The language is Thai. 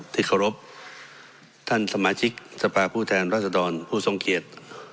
ที่เคารพท่านสมาชิกสภาพผู้แทนรัศดรผู้ทรงเกียจ